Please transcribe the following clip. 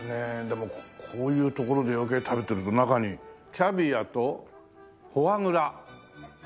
でもこういう所で余計食べてると中にキャビアとフォアグラトリュフ